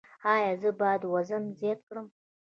ایا زه باید وزن زیات کړم؟